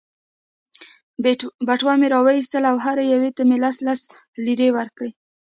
بټوه مې را وایستل او هرې یوې ته مې لس لس لیرې ورکړې.